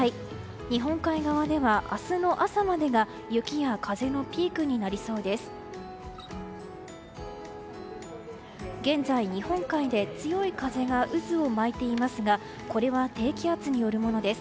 日本海側では明日の朝までが雪や風のピークになりそうです。